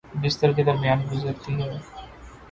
بستر کے درمیان گزرتی ہے